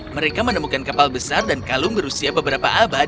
mereka menemukan kapal besar dan kalung berusia beberapa abad